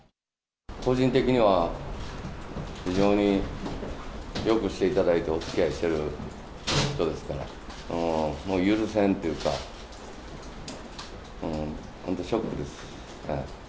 個人的には、非常によくしていただいて、おつきあいしている人ですから、もう許せんというか、本当、ショックです。